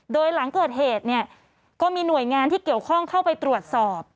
โดยหลังเกิดเหตุเนี่ยก็มีหน่วยงานที่เกี่ยวข้องเข้าไปตรวจสอบ